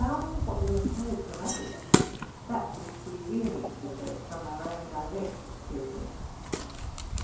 9 10 TRUTH AND FICTION what we have heard from others with that which we really possess from our own direct experience.